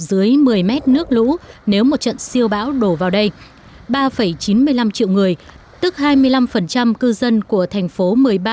dưới một mươi mét nước lũ nếu một trận siêu bão đổ vào đây ba chín mươi năm triệu người tức hai mươi năm cư dân của thành phố một mươi ba ba